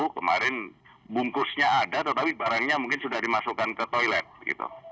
kemarin bungkusnya ada tetapi barangnya mungkin sudah dimasukkan ke toilet gitu